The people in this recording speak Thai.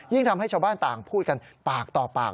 ทำให้ชาวบ้านต่างพูดกันปากต่อปาก